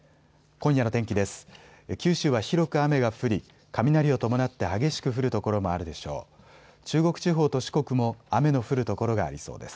今夜の天気です。